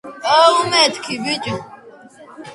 მთავარი ეკლესიის გუმბათის ჯვარს ქართული წარწერა აქვს.